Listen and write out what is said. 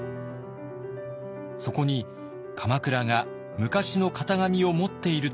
そこに鎌倉が昔の型紙を持っているという話が入ります。